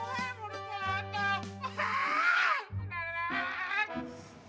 burung gue burung keadaan